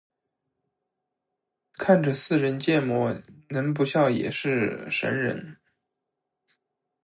看着似人建模能不笑也是神人